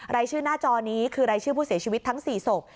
รายชื่อหน้าจอนี้คือรายชื่อผู้เสียชีวิตทั้ง๔ศพ